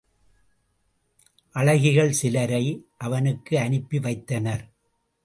அழகிகள் சிலரை அவனுக்கு அனுப்பி வைத்தனர்.